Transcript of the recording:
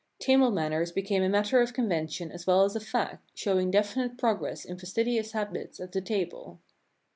Table manners became a matter of convention as well as of fact, showing [i6] showing definite progress in fastidious habits at the table.